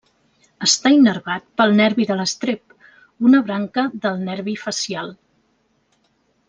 Està innervat pel nervi de l'estrep, una branca del nervi facial.